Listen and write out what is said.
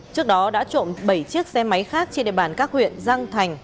trước đó đã trộm bảy chiếc xe máy khác trên địa bàn các huyện giang thành